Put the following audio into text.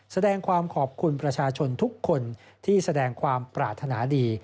แสดงความขอบคุณประชาชนทุกคนที่แสดงความปรารถนาดี